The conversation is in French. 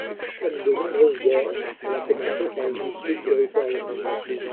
Comme de nombreuses guerres, elle a commencé par une dispute territoriale.